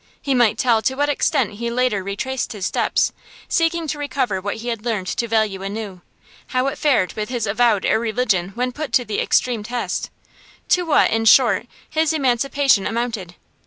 He might tell to what extent he later retraced his steps, seeking to recover what he had learned to value anew; how it fared with his avowed irreligion when put to the extreme test; to what, in short, his emancipation amounted.